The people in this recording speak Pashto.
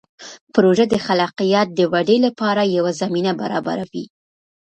پروژه د خلاقیت د ودې لپاره یوه زمینه برابروي.